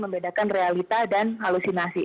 membedakan realita dan halusinasi